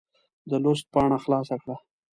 د لوست پاڼه خلاصه کړه.